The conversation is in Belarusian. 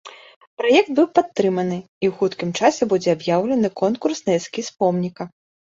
Праект быў падтрыманы і ў хуткім часе будзе аб'яўлены конкурс на эскіз помніка.